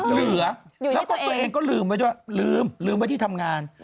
เหลือแล้วก็ตัวเองก็ลืมไว้ด้วยลืมลืมไว้ที่ทำงาน